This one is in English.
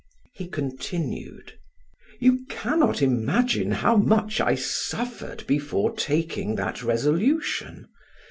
He continued: "You cannot imagine how much I suffered before taking that resolution.